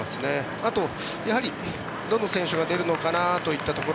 あと、やはりどの選手が出るのかなというところ